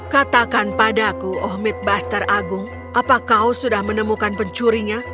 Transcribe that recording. katakan padaku oh midbuster agung apakah kau sudah menemukan pencurinya